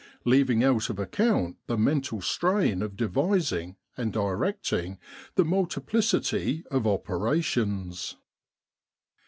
leaving out of account the mental strain of devising and directing the multiplicity of operations.